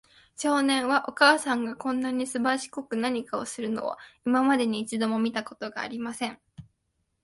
少年は、お母さんがこんなにすばしこく何かするのを、今までに一度も見たことがありません。